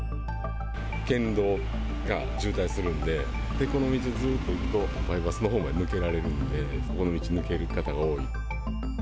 県道が渋滞するんで、この道ずっと行くと、バイパスのほうまで抜けられるんで、ここの道を抜ける方が多い。